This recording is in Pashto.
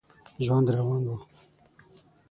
ژوند روان و.